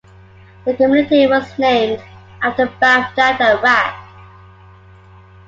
The community was named after Baghdad, Iraq.